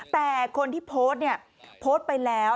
แต่คนที่โพสต์เนี่ยโพสต์ไปแล้ว